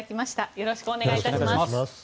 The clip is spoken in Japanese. よろしくお願いします。